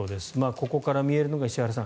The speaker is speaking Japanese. ここから見えるのが石原さん